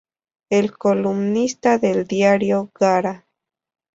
Es columnista del diario "Gara".